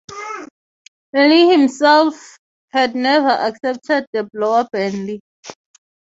Bentley himself had never accepted the blower Bentley.